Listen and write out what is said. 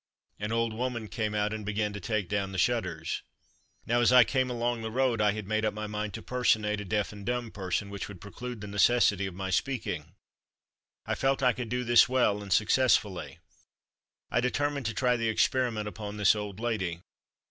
An old woman came out and began to take down the shutters. Now, as I came along the road I had made up my mind to personate a deaf and dumb person, which would preclude the necessity of my speaking. I felt I could do this well and successfully. I determined to try the experiment upon this old lady.